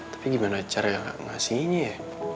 tapi gimana caranya gak ngasih ini ya